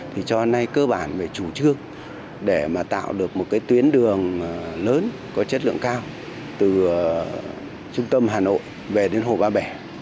thì cho đến nay cơ bản về chủ trương để mà tạo được một cái tuyến đường lớn có chất lượng cao từ trung tâm hà nội về đến hồ ba bể